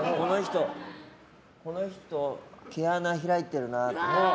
この人、毛穴開いてるなとか。